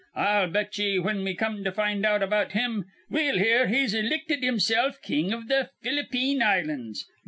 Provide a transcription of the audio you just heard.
I'll bet ye, whin we come to find out about him, we'll hear he's ilicted himself king iv th' F'lip ine Islands.